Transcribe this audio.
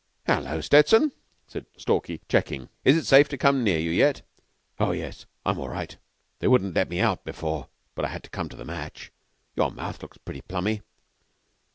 "Hullo, Stettson," said Stalky, checking. "Is it safe to come near you yet?" "Oh, yes. I'm all right. They wouldn't let me out before, but I had to come to the match. Your mouth looks pretty plummy."